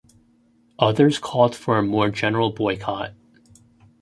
Others called for a more general boycott.